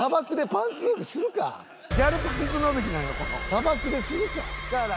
砂漠でするか！